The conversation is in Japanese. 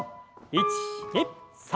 １２３！